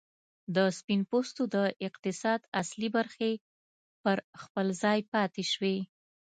د سپین پوستو د اقتصاد اصلي برخې پر خپل ځای پاتې شوې.